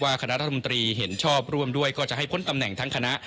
คณะรัฐมนตรีเห็นชอบร่วมด้วยก็จะให้พ้นตำแหน่งทั้งคณะ